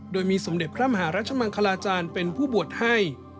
โดยมีสมเด็จพระมหารัชมังคลาจารย์เป็นผู้บวชให้